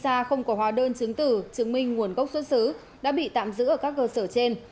gia không có hóa đơn chứng tử chứng minh nguồn gốc xuất xứ đã bị tạm giữ ở các cơ sở trên